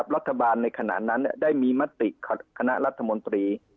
รัฐบาลในขณะนั้นได้มีมติคณะรัฐมนตรี